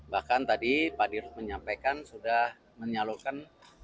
bahkan tadi pak dirut menyampaikan sudah menyalurkan satu seratus